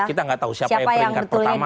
kita nggak tahu siapa yang peringkat pertama